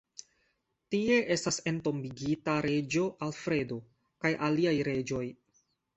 Tie estas entombigita reĝo Alfredo kaj aliaj reĝoj.